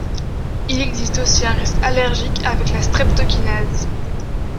Il existe aussi un risque allergique avec la streptokinase.